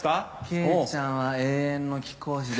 「“惠ちゃんは永遠の貴公子です”」